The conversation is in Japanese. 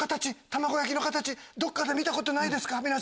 玉子焼きの形どっかで見たことないですか？